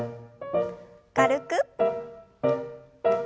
軽く。